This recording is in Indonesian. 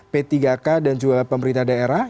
p tiga k dan juga pemerintah daerah